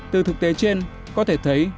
từ thực tế trên có thể thấy